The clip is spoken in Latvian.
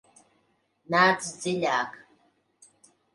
Nāc dziļāk!